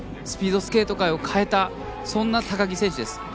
スピードスケート界を変えたそんな高木選手です。